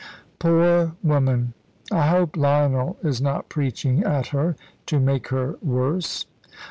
"Poor woman! I hope Lionel is not preaching at her, to make her worse."